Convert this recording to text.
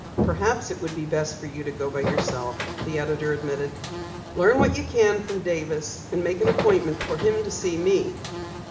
"Perhaps it would be best for you to go by yourself," the editor admitted. "Learn what you can from Davis, and make an appointment for him to see me."